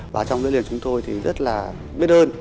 và trong đất liền chúng tôi thì rất là biết ơn